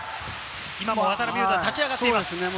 今も渡邊雄太、立ち上がっています。